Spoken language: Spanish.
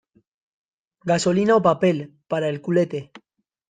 gasolina o papel para el culete.